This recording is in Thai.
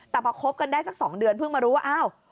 แต่พอคบกันได้สัก๒เดือนเพิ่งมารู้ว่าอ้าว